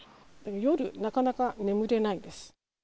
夜、なかなか眠れないです。